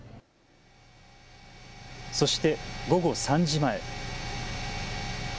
そして午後３時前。